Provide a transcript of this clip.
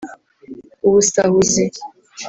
Ubusahuzi